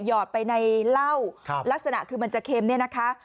หอดไปในเหล้าลักษณะคือมันจะเค็มเนี่ยนะคะ